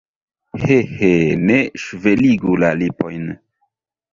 He, he, ne ŝveligu la lipojn!